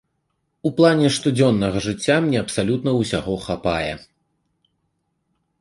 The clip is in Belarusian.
У плане штодзённага жыцця мне абсалютна ўсяго хапае.